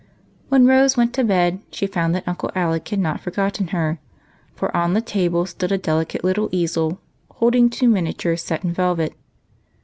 When Rose went to bed, she found that Uncle A HAPPY BIRTHDAY. 163 Alec had not forgotten her; for on the table stood a delicate little easel, holding two miniatures set in velvet.